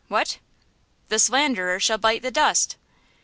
"What?" "The slanderer shall bite the dust!"